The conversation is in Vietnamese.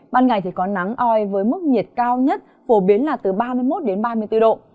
ban ngày thì có nắng oi với mức nhiệt cao nhất phổ biến là từ ba mươi một đến ba mươi bốn độ